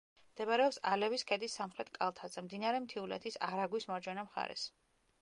მდებარეობს ალევის ქედის სამხრეთ კალთაზე, მდინარე მთიულეთის არაგვის მარჯვენა მხარეს.